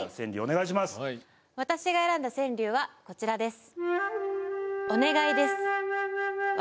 私が選んだ川柳はこちらです。